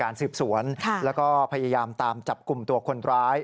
สืบสวนแล้วก็พยายามตามจับกลุ่มตัวคนร้าย